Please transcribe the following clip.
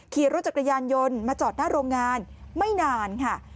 ขี่รถจักรยานยนต์มาจอดหน้าโรงงานไม่นานค่ะ